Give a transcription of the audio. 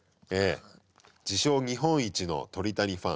「自称・日本一の鳥谷ファン」。